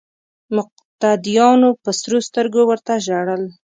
مقتدیانو په سرو سترګو ورته ژړل.